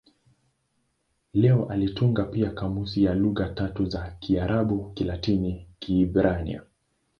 Leo alitunga pia kamusi ya lugha tatu za Kiarabu-Kilatini-Kiebrania.